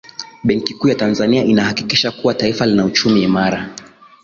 benki kuu ya tanzania inahakikisha kuwa taifa lina uchumi imara